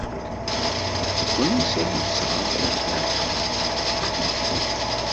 Seg wansi ay d-sɣan tagiṭart-a?